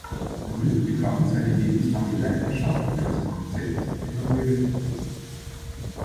Damit begann seine lebenslange Leidenschaft für das "Konzept" einer Universität.